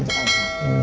gak ada apa apa